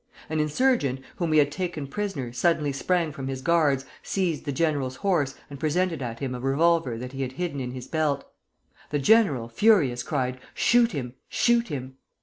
An insurgent, whom we had taken prisoner, suddenly sprang from his guards, seized the general's horse, and presented at him a revolver that he had hidden in his belt. The general, furious, cried, 'Shoot him! shoot him!'